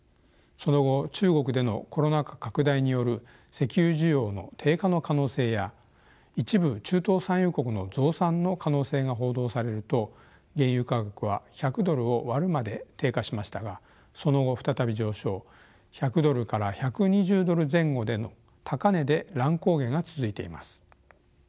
その後中国でのコロナ禍拡大による石油需要の低下の可能性や一部中東産油国の増産の可能性が報道されると原油価格は１００ドルを割るまで低下しましたがその後再び上昇１００ドルから１２０ドル前後での高値で乱高下が続いています。